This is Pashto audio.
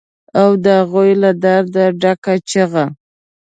او د هغو له درده ډکه چیغه